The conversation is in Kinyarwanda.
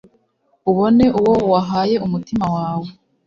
ubone uwo wahaye umutima wawe